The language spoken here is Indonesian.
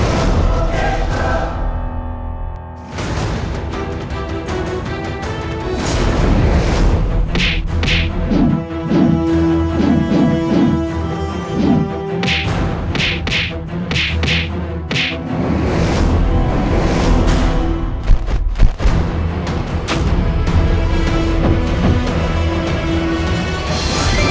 tidak usah banyak ngomong